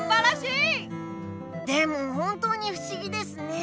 でも本当にふしぎですね。